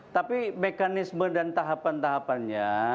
tapi mekanisme dan tahapan tahapannya